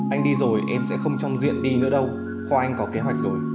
anh đi rồi em sẽ không trong diện đi nữa đâu khoa anh có kế hoạch rồi